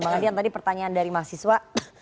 bang adian tadi pertanyaan dari mahasiswa